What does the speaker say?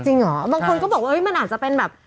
เหรอบางคนก็บอกว่ามันอาจจะเป็นแบบ